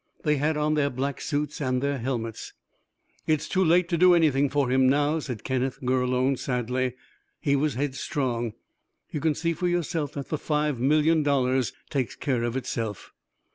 They had on their black suits and their helmets. "It is too late to do anything for him now," said Kenneth Gurlone sadly. "He was headstrong. You can see for yourself that the five million dollars takes care of itself.